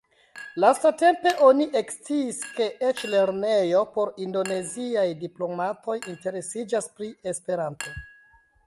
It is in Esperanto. Lastatempe oni eksciis ke eĉ lernejo por indoneziaj diplomatoj interesiĝas pri Esperanto.